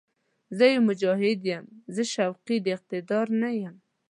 زه يو «مجاهد» یم، زه شوقي د اقتدار نه یم